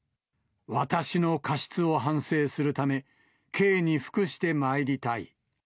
私の過失を反省するため、刑に服してまいりたい。